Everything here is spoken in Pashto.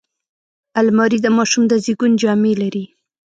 الماري د ماشوم د زیږون جامې لري